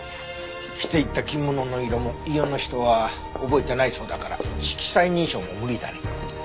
着ていった着物の色も家の人は覚えてないそうだから色彩認証も無理だね。